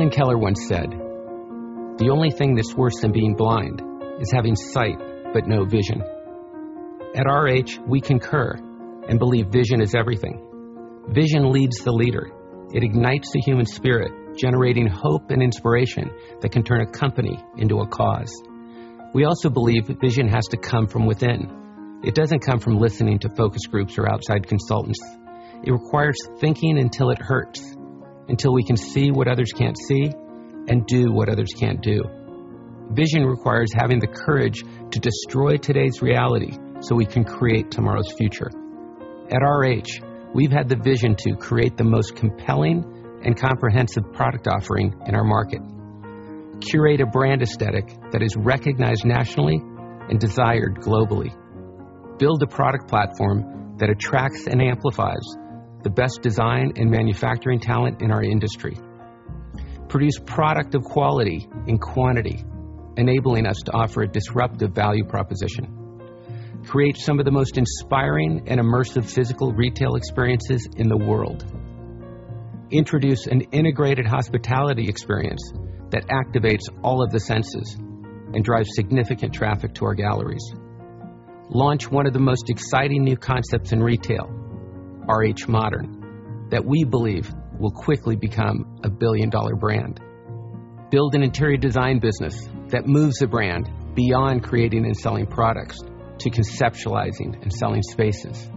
Helen Keller once said, "The only thing that's worse than being blind is having sight but no vision." At RH, we concur and believe vision is everything. Vision leads the leader. It ignites the human spirit, generating hope and inspiration that can turn a company into a cause. We also believe that vision has to come from within. It doesn't come from listening to focus groups or outside consultants. It requires thinking until it hurts, until we can see what others can't see and do what others can't do. Vision requires having the courage to destroy today's reality so we can create tomorrow's future. At RH, we've had the vision to create the most compelling and comprehensive product offering in our market. Curate a brand aesthetic that is recognized nationally and desired globally. Build a product platform that attracts and amplifies the best design and manufacturing talent in our industry. Produce product of quality in quantity, enabling us to offer a disruptive value proposition. Create some of the most inspiring and immersive physical retail experiences in the world. Introduce an integrated hospitality experience that activates all of the senses and drives significant traffic to our galleries. Launch one of the most exciting new concepts in retail, RH Modern, that we believe will quickly become a billion-dollar brand. Build an interior design business that moves the brand beyond creating and selling products to conceptualizing and selling spaces.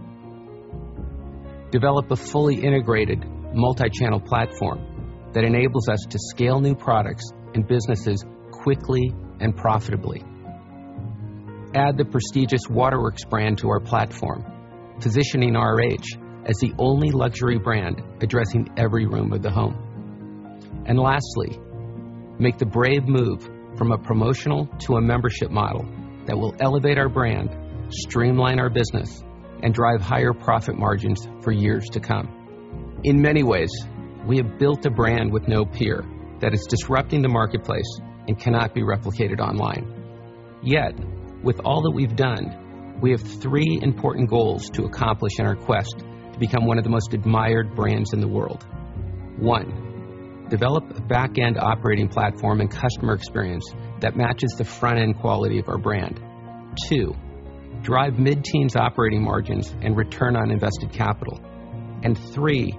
Develop a fully integrated multi-channel platform that enables us to scale new products and businesses quickly and profitably. Add the prestigious Waterworks brand to our platform, positioning RH as the only luxury brand addressing every room of the home. Lastly, make the brave move from a promotional to a membership model that will elevate our brand, streamline our business, and drive higher profit margins for years to come. In many ways, we have built a brand with no peer that is disrupting the marketplace and cannot be replicated online. Yet, with all that we've done, we have three important goals to accomplish in our quest to become one of the most admired brands in the world. One, develop a back-end operating platform and customer experience that matches the front-end quality of our brand. Two, drive mid-teens operating margins and return on invested capital, and three,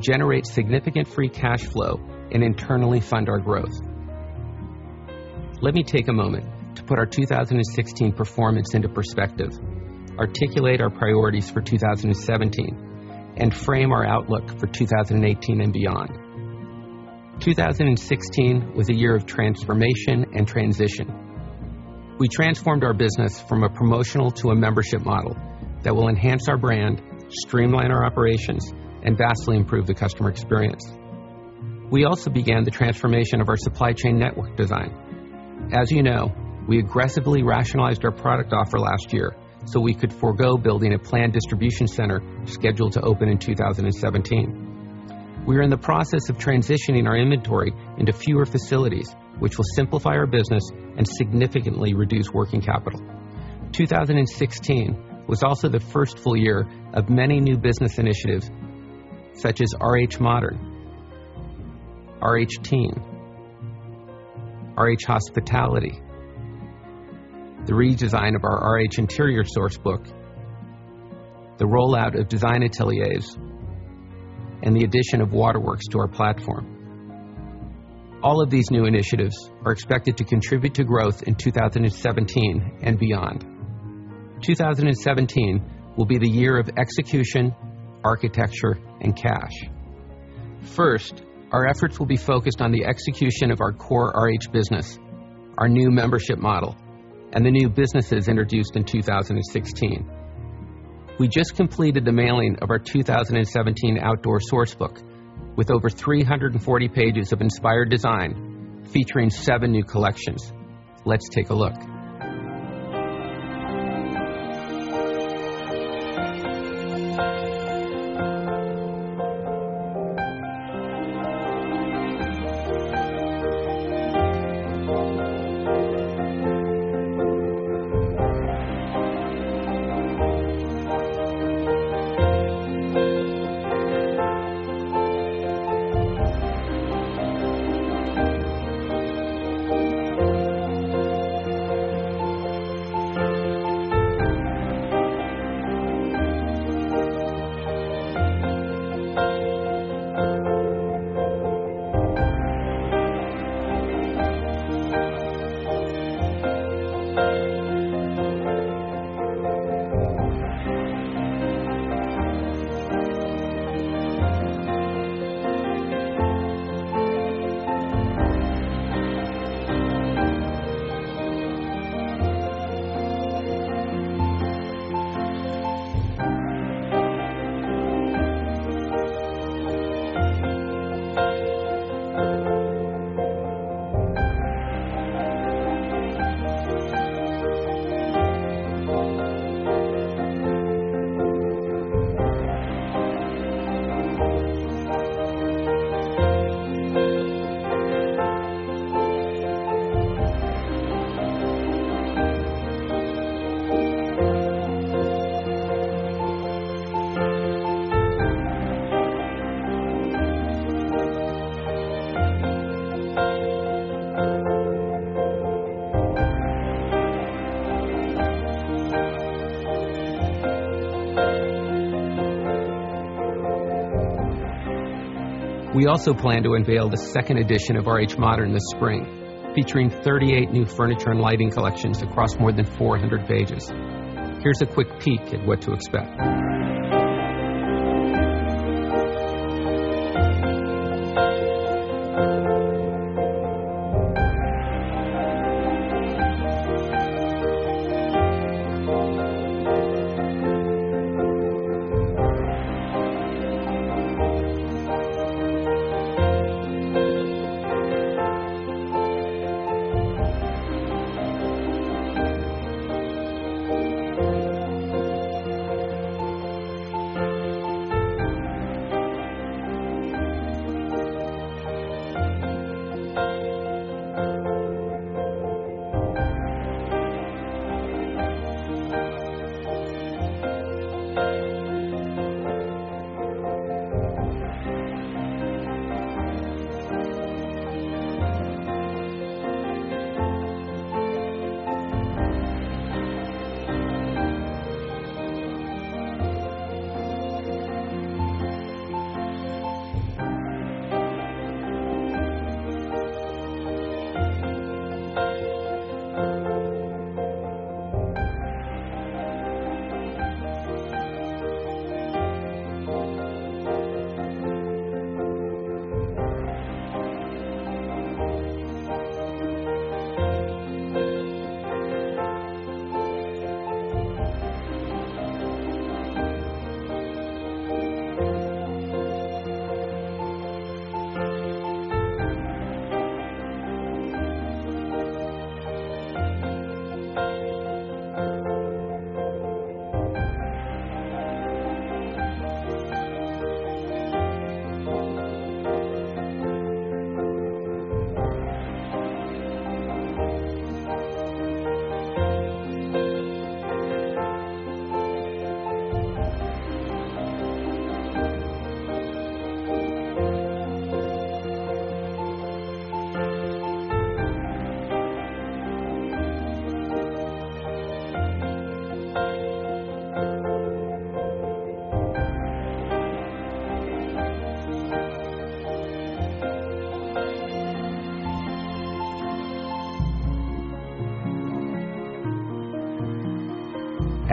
generate significant free cash flow and internally fund our growth. Let me take a moment to put our 2016 performance into perspective, articulate our priorities for 2017, and frame our outlook for 2018 and beyond. 2016 was a year of transformation and transition. We transformed our business from a promotional to a membership model that will enhance our brand, streamline our operations, and vastly improve the customer experience. We also began the transformation of our supply chain network design. As you know, we aggressively rationalized our product offer last year so we could forego building a planned distribution center scheduled to open in 2017. We are in the process of transitioning our inventory into fewer facilities, which will simplify our business and significantly reduce working capital. 2016 was also the first full year of many new business initiatives such as RH Modern, RH Teen, RH Hospitality, the redesign of our RH Interiors Sourcebook, the rollout of RH Design Ateliers, and the addition of Waterworks to our platform. All of these new initiatives are expected to contribute to growth in 2017 and beyond. 2017 will be the year of execution, architecture, and cash. First, our efforts will be focused on the execution of our core RH business, our new membership model, and the new businesses introduced in 2016. We just completed the mailing of our 2017 RH Outdoor Sourcebook with over 340 pages of inspired design featuring seven new collections. Let's take a look. We also plan to unveil the second edition of RH Modern this spring, featuring 38 new furniture and lighting collections across more than 400 pages. Here's a quick peek at what to expect.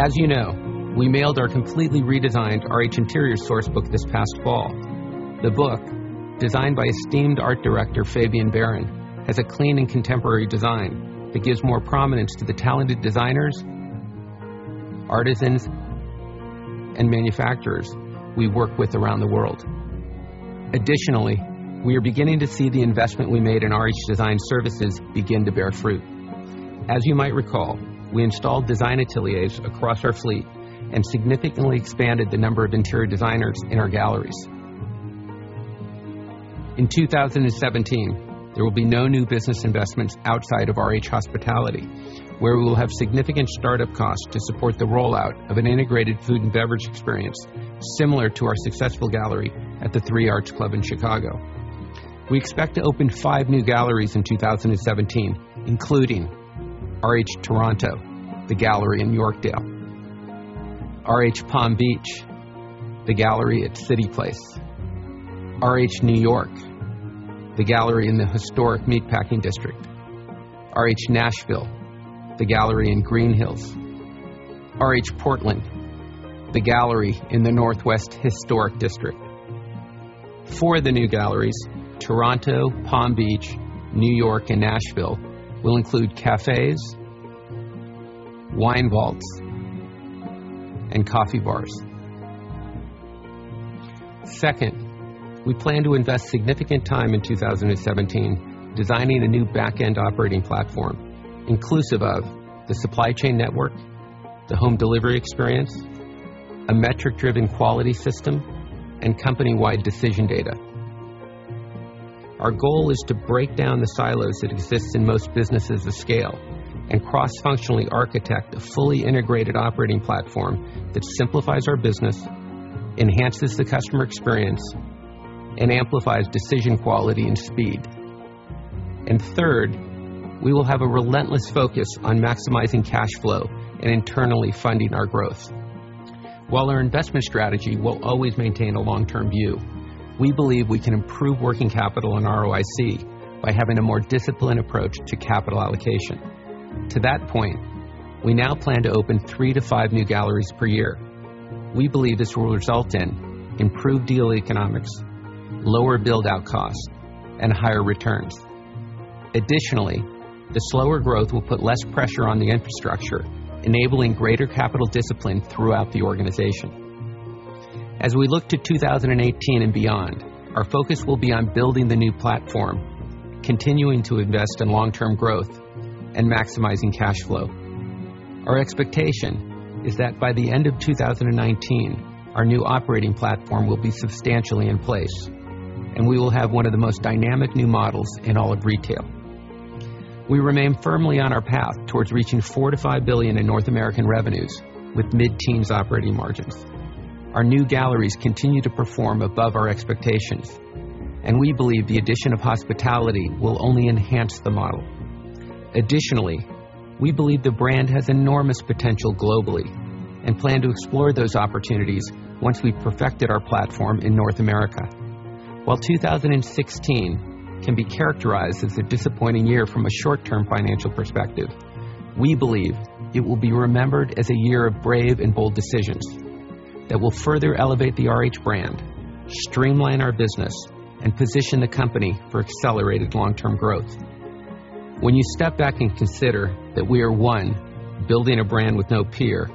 As you know, we mailed our completely redesigned RH Interiors Sourcebook this past fall. The book, designed by esteemed Art Director Fabien Baron, has a clean and contemporary design that gives more prominence to the talented designers, artisans, and manufacturers we work with around the world. Additionally, we are beginning to see the investment we made in RH Design Ateliers begin to bear fruit. As you might recall, we installed RH Design Ateliers across our fleet and significantly expanded the number of interior designers in our galleries. In 2017, there will be no new business investments outside of RH Hospitality, where we will have significant startup costs to support the rollout of an integrated food and beverage experience similar to our successful gallery at the Three Arts Club in Chicago. We expect to open five new galleries in 2017, including RH Toronto, the gallery in Yorkdale, RH Palm Beach, the gallery at CityPlace, RH New York, the gallery in the historic Meatpacking District, RH Nashville, the gallery in Green Hills, RH Portland, the gallery in the Historic Alphabet District. Four of the new galleries, Toronto, Palm Beach, New York, and Nashville, will include cafes, wine vaults, and coffee bars. Second, we plan to invest significant time in 2017 designing a new back-end operating platform inclusive of the supply chain network, the home delivery experience, a metric-driven quality system, and company-wide decision data. Our goal is to break down the silos that exist in most businesses of scale and cross-functionally architect a fully integrated operating platform that simplifies our business, enhances the customer experience, and amplifies decision quality and speed. Third, we will have a relentless focus on maximizing cash flow and internally funding our growth. While our investment strategy will always maintain a long-term view, we believe we can improve working capital and ROIC by having a more disciplined approach to capital allocation. To that point, we now plan to open three to five new galleries per year. We believe this will result in improved deal economics, lower build-out costs, and higher returns. Additionally, the slower growth will put less pressure on the infrastructure, enabling greater capital discipline throughout the organization. As we look to 2018 and beyond, our focus will be on building the new platform, continuing to invest in long-term growth, and maximizing cash flow. Our expectation is that by the end of 2019, our new operating platform will be substantially in place, and we will have one of the most dynamic new models in all of retail. We remain firmly on our path towards reaching $4 billion-$5 billion in North American revenues, with mid-teens operating margins. Our new galleries continue to perform above our expectations, and we believe the addition of hospitality will only enhance the model. Additionally, we believe the brand has enormous potential globally and plan to explore those opportunities once we've perfected our platform in North America. While 2016 can be characterized as a disappointing year from a short-term financial perspective, we believe it will be remembered as a year of brave and bold decisions that will further elevate the RH brand, streamline our business, and position the company for accelerated long-term growth. When you step back and consider that we are, one, building a brand with no peer,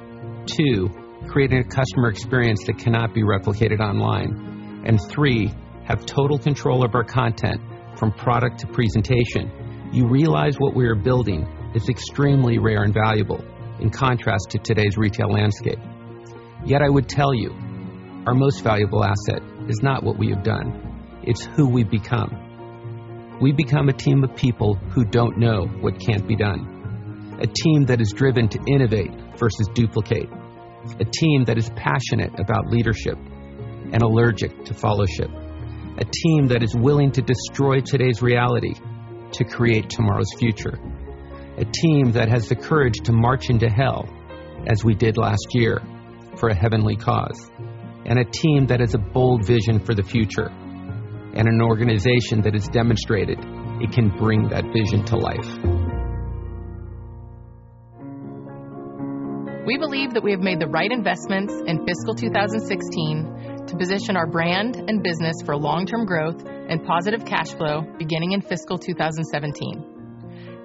two, creating a customer experience that cannot be replicated online, and three, have total control of our content from product to presentation, you realize what we are building is extremely rare and valuable in contrast to today's retail landscape. Yet I would tell you our most valuable asset is not what we have done, it's who we've become. We've become a team of people who don't know what can't be done. A team that is driven to innovate versus duplicate. A team that is passionate about leadership and allergic to followship. A team that is willing to destroy today's reality to create tomorrow's future. A team that has the courage to march into hell, as we did last year, for a heavenly cause. A team that has a bold vision for the future, and an organization that has demonstrated it can bring that vision to life. We believe that we have made the right investments in fiscal 2016 to position our brand and business for long-term growth and positive cash flow beginning in fiscal 2017.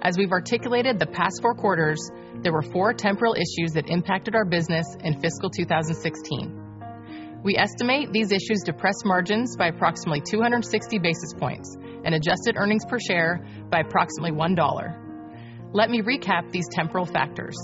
As we've articulated the past four quarters, there were four temporal issues that impacted our business in fiscal 2016. We estimate these issues depress margins by approximately 260 basis points and adjusted earnings per share by approximately $1. Let me recap these temporal factors.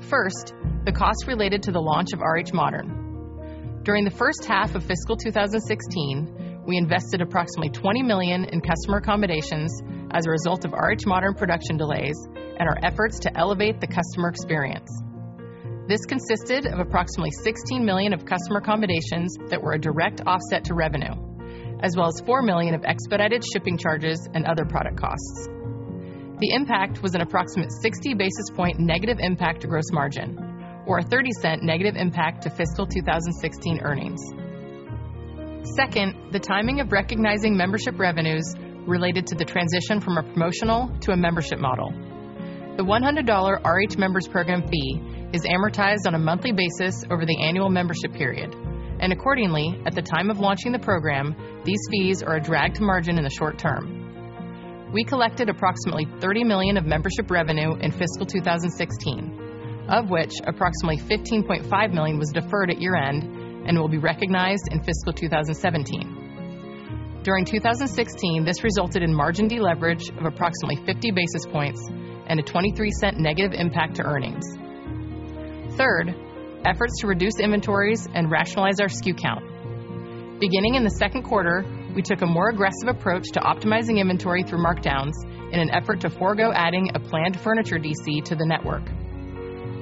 First, the cost related to the launch of RH Modern. During the first half of fiscal 2016, we invested approximately $20 million in customer accommodations as a result of RH Modern production delays and our efforts to elevate the customer experience. This consisted of approximately $16 million of customer accommodations that were a direct offset to revenue, as well as $4 million of expedited shipping charges and other product costs. The impact was an approximate 60 basis point negative impact to gross margin, or a $0.30 negative impact to fiscal 2016 earnings. Second, the timing of recognizing membership revenues related to the transition from a promotional to a membership model. The $100 RH Members Program fee is amortized on a monthly basis over the annual membership period. Accordingly, at the time of launching the program, these fees are a drag to margin in the short term. We collected approximately $30 million of membership revenue in fiscal 2016, of which approximately $15.5 million was deferred at year-end and will be recognized in fiscal 2017. During 2016, this resulted in margin deleverage of approximately 50 basis points and a $0.23 negative impact to earnings. Third, efforts to reduce inventories and rationalize our SKU count. Beginning in the second quarter, we took a more aggressive approach to optimizing inventory through markdowns in an effort to forego adding a planned furniture DC to the network.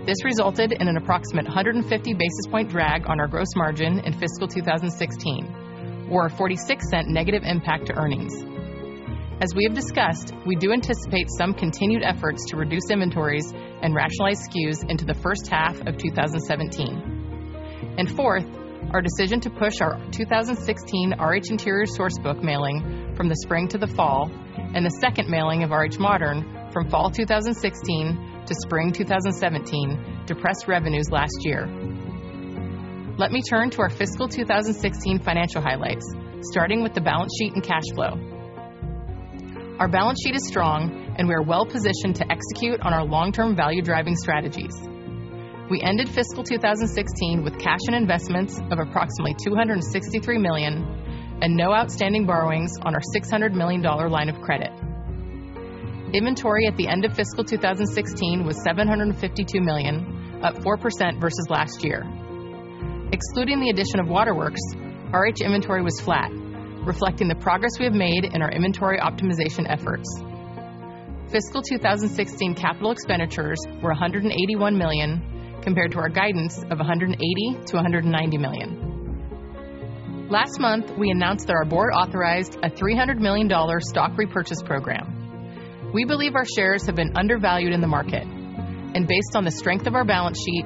This resulted in an approximate 150 basis point drag on our gross margin in fiscal 2016, or a $0.46 negative impact to earnings. As we have discussed, we do anticipate some continued efforts to reduce inventories and rationalize SKUs into the first half of 2017. Fourth, our decision to push our 2016 RH Interiors Sourcebook mailing from the spring to the fall, and the second mailing of RH Modern from fall 2016 to spring 2017 depressed revenues last year. Let me turn to our fiscal 2016 financial highlights, starting with the balance sheet and cash flow. Our balance sheet is strong, and we are well-positioned to execute on our long-term value-driving strategies. We ended fiscal 2016 with cash and investments of approximately $263 million and no outstanding borrowings on our $600 million line of credit. Inventory at the end of fiscal 2016 was $752 million, up 4% versus last year. Excluding the addition of Waterworks, RH inventory was flat, reflecting the progress we have made in our inventory optimization efforts. Fiscal 2016 capital expenditures were $181 million, compared to our guidance of $180 million to $190 million. Last month, we announced that our board authorized a $300 million stock repurchase program. We believe our shares have been undervalued in the market, and based on the strength of our balance sheet,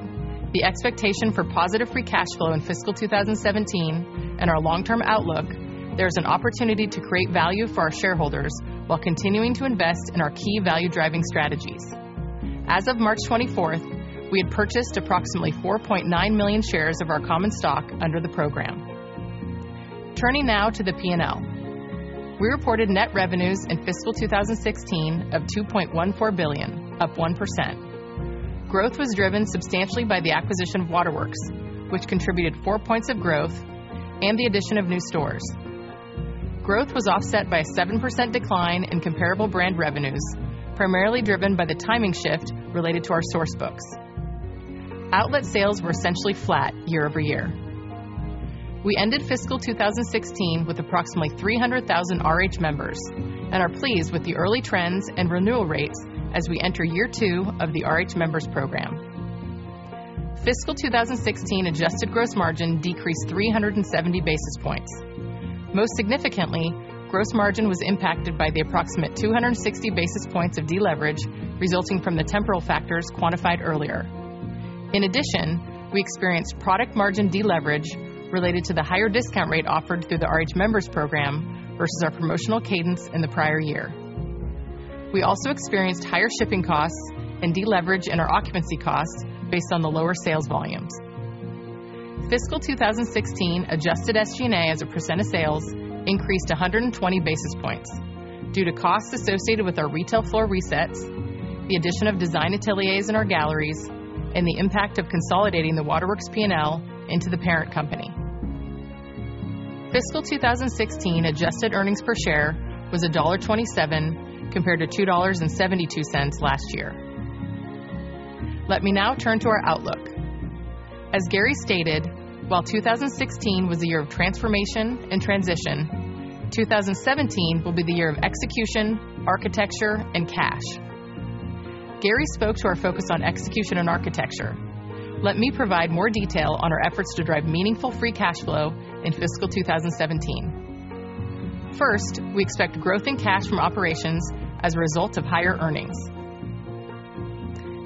the expectation for positive free cash flow in fiscal 2017, and our long-term outlook, there is an opportunity to create value for our shareholders while continuing to invest in our key value-driving strategies. As of March 24th, we had purchased approximately 4.9 million shares of our common stock under the program. Turning now to the P&L. We reported net revenues in fiscal 2016 of $2.14 billion, up 1%. Growth was driven substantially by the acquisition of Waterworks, which contributed four points of growth and the addition of new stores. Growth was offset by a 7% decline in comparable brand revenues, primarily driven by the timing shift related to our Source Books. Outlet sales were essentially flat year-over-year. We ended fiscal 2016 with approximately 300,000 RH members and are pleased with the early trends and renewal rates as we enter year two of the RH Members Program. Fiscal 2016 adjusted gross margin decreased 370 basis points. Most significantly, gross margin was impacted by the approximate 260 basis points of deleverage resulting from the temporal factors quantified earlier. In addition, we experienced product margin deleverage related to the higher discount rate offered through the RH Members Program versus our promotional cadence in the prior year. We also experienced higher shipping costs and deleverage in our occupancy costs based on the lower sales volumes. Fiscal 2016 adjusted SG&A as a % of sales increased 120 basis points due to costs associated with our retail floor resets, the addition of RH Design Ateliers in our galleries, and the impact of consolidating the Waterworks P&L into the parent company. Fiscal 2016 adjusted earnings per share was $1.27, compared to $2.72 last year. Let me now turn to our outlook. As Gary stated, while 2016 was a year of transformation and transition, 2017 will be the year of execution, architecture, and cash. Gary spoke to our focus on execution and architecture. Let me provide more detail on our efforts to drive meaningful free cash flow in fiscal 2017. First, we expect growth in cash from operations as a result of higher earnings.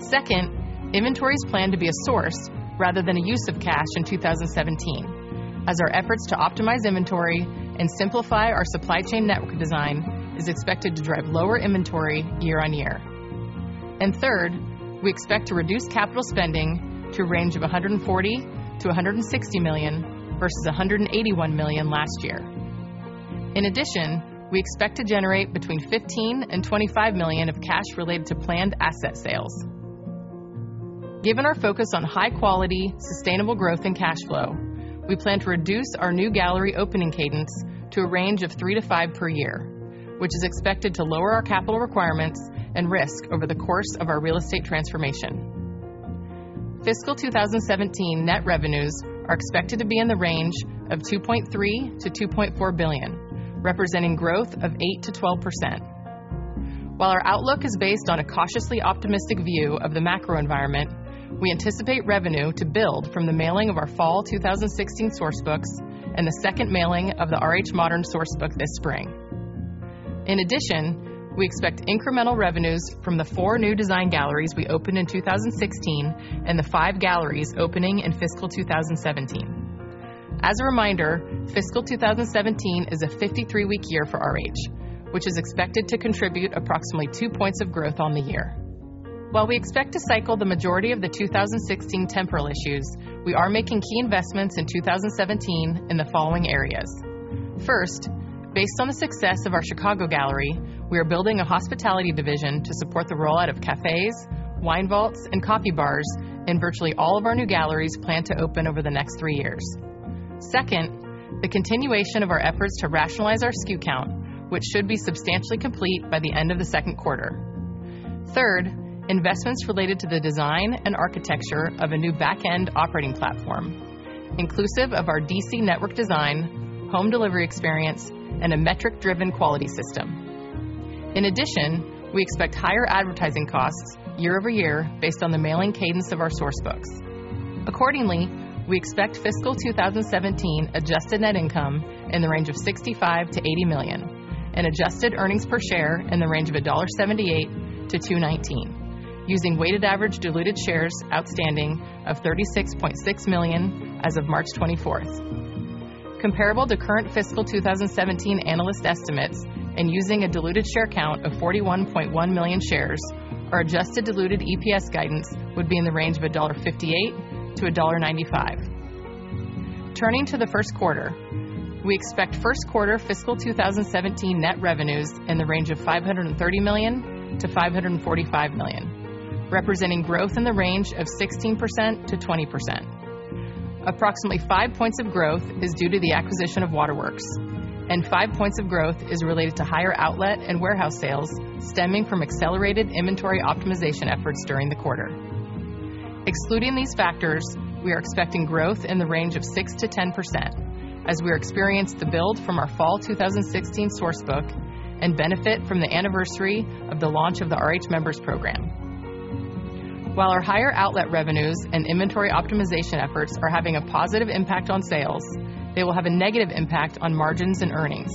Second, inventories plan to be a source rather than a use of cash in 2017, as our efforts to optimize inventory and simplify our supply chain network design is expected to drive lower inventory year-over-year. Third, we expect to reduce capital spending to a range of $140 million-$160 million versus $181 million last year. In addition, we expect to generate between $15 million and $25 million of cash related to planned asset sales. Given our focus on high-quality, sustainable growth, and cash flow, we plan to reduce our new gallery opening cadence to a range of three to five per year, which is expected to lower our capital requirements and risk over the course of our real estate transformation. Fiscal 2017 net revenues are expected to be in the range of $2.3 billion-$2.4 billion, representing growth of 8%-12%. While our outlook is based on a cautiously optimistic view of the macro environment, we anticipate revenue to build from the mailing of our Fall 2016 Sourcebooks and the second mailing of the RH Modern Sourcebook this spring. In addition, we expect incremental revenues from the four new design galleries we opened in 2016 and the five galleries opening in fiscal 2017. As a reminder, fiscal 2017 is a 53-week year for RH, which is expected to contribute approximately 2 points of growth on the year. While we expect to cycle the majority of the 2016 temporal issues, we are making key investments in 2017 in the following areas. First, based on the success of our Chicago gallery, we are building an RH Hospitality division to support the rollout of cafes, wine vaults, and coffee bars in virtually all of our new galleries planned to open over the next three years. Second, the continuation of our efforts to rationalize our SKU count, which should be substantially complete by the end of the second quarter. Third, investments related to the design and architecture of a new back-end operating platform, inclusive of our DC network design, home delivery experience, and a metric-driven quality system. In addition, we expect higher advertising costs year-over-year based on the mailing cadence of our Sourcebooks. Accordingly, we expect fiscal 2017 adjusted net income in the range of $65 million-$80 million, and adjusted earnings per share in the range of $1.78-$2.19, using weighted average diluted shares outstanding of 36.6 million as of March 24th. Comparable to current fiscal 2017 analyst estimates and using a diluted share count of 41.1 million shares, our adjusted diluted EPS guidance would be in the range of $1.58-$1.95. Turning to the first quarter, we expect first quarter fiscal 2017 net revenues in the range of $530 million-$545 million, representing growth in the range of 16%-20%. Approximately five points of growth is due to the acquisition of Waterworks, and five points of growth is related to higher outlet and warehouse sales stemming from accelerated inventory optimization efforts during the quarter. Excluding these factors, we are expecting growth in the range of 6%-10% as we experience the build from our Fall 2016 Source Book and benefit from the anniversary of the launch of the RH Members Program. While our higher outlet revenues and inventory optimization efforts are having a positive impact on sales, they will have a negative impact on margins and earnings.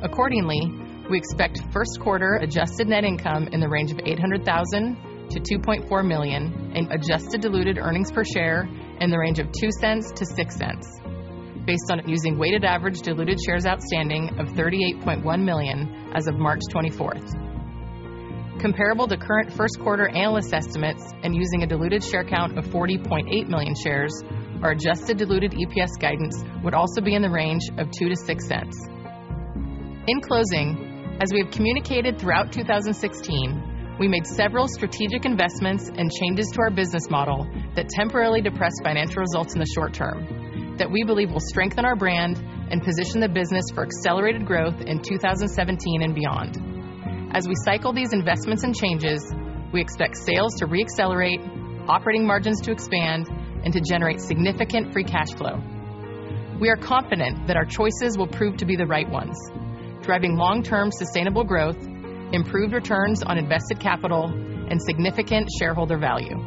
Accordingly, we expect first quarter adjusted net income in the range of $800,000-$2.4 million and adjusted diluted EPS in the range of $0.02-$0.06 based on using weighted average diluted shares outstanding of $38.1 million as of March 24th. Comparable to current first quarter analyst estimates and using a diluted share count of 40.8 million shares, our adjusted diluted EPS guidance would also be in the range of $0.02-$0.06. In closing, as we have communicated throughout 2016, we made several strategic investments and changes to our business model that temporarily depressed financial results in the short term that we believe will strengthen our brand and position the business for accelerated growth in 2017 and beyond. As we cycle these investments and changes, we expect sales to re-accelerate, operating margins to expand, and to generate significant free cash flow. We are confident that our choices will prove to be the right ones, driving long-term sustainable growth, improved returns on invested capital, and significant shareholder value.